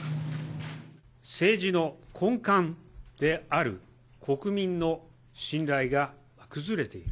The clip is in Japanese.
政治の根幹である国民の信頼が崩れている。